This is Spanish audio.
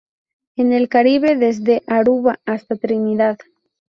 En el Caribe desde Aruba hasta Trinidad.